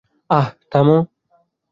আঃ– থামো।